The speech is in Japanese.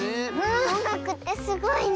おんがくってすごいね！